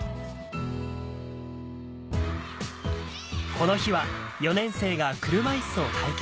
この日は４年生が車いすを体験